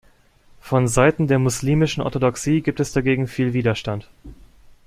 Von Seiten der muslimischen Orthodoxie gibt es dagegen viel Widerstand.